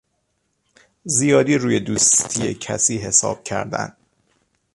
زیادی روی دوستی کسی حساب کردن